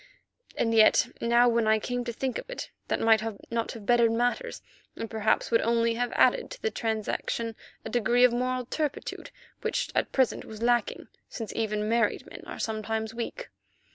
And yet, now when I came to think of it, that might not have bettered matters, and perhaps would only have added to the transaction a degree of moral turpitude which at present was lacking, since even married men are sometimes weak.